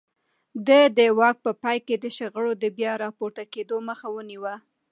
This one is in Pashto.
ده د واک په پای کې د شخړو د بيا راپورته کېدو مخه ونيوه.